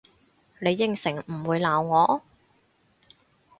你應承唔會鬧我？